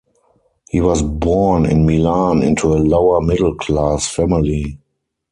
He was born in Milan into a lower-middle-class family.